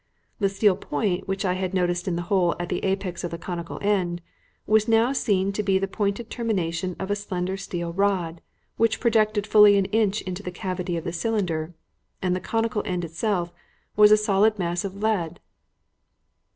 The steel point which I had noticed in the hole at the apex of the conical end, was now seen to be the pointed termination of a slender steel rod which projected fully an inch into the cavity of the cylinder, and the conical end itself was a solid mass of lead.